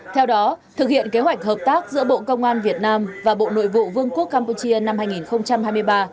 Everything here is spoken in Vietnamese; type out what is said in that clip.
theo đó thực hiện kế hoạch hợp tác giữa bộ công an việt nam và bộ nội vụ vương quốc campuchia năm hai nghìn hai mươi ba